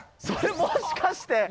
それもしかして。